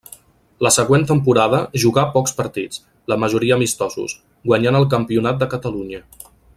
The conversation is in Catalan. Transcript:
La següent temporada jugà pocs partits, la majoria amistosos, guanyant el Campionat de Catalunya.